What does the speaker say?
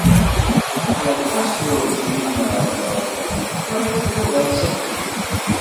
Ar ɣas werǧin i tmeεneḍ ɣer ḥedd neɣ i telliḍ d asaxi.